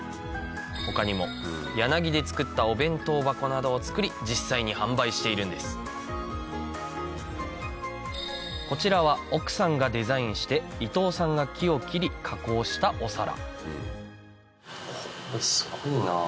他にもヤナギで作ったお弁当箱などを作り実際に販売しているんですこちらは奥さんがデザインして伊藤さんが木を切り加工したお皿これすごいな。